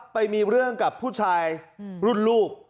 ไปมีเรื่องกับผู้ชายรุ่นลูก